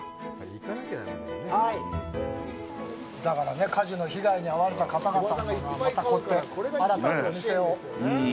だからね、火事の被害に遭われた方々がまたこうやって新たにお店を。